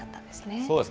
そうですね。